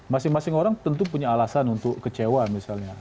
masing masing orang tentu punya alasan untuk kecewa misalnya